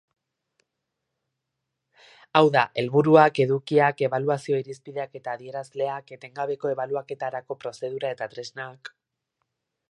Hau da, helburuak, edukiak, ebaluazio-irizpideak eta adierazleak, etengabeko ebaluaketarako prozedura eta tresnak...